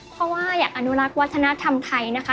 เพราะว่าอยากอนุรักษ์วัฒนธรรมไทยนะคะ